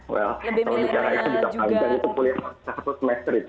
well kalau di negara itu di depan kita itu kuliah satu semester itu